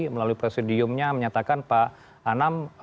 melalui presidiumnya menyatakan pak anam